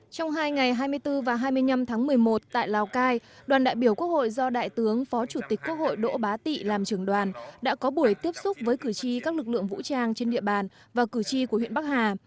trong hai ngày hai mươi bốn và hai mươi năm tháng một mươi một tại lào cai đoàn đại biểu quốc hội do đại tướng phó chủ tịch quốc hội đỗ bá tị làm trưởng đoàn đã có buổi tiếp xúc với cử tri các lực lượng vũ trang trên địa bàn và cử tri của huyện bắc hà